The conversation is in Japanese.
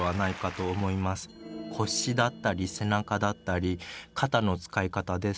腰だったり背中だったり肩の使い方ですね